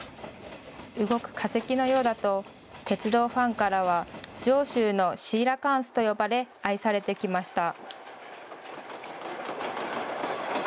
動く化石のようだと鉄道ファンからは上州のシーラカンスと呼ばれ愛されてきました。